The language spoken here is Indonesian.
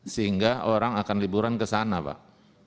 sehingga orang akan liburan ke sana pak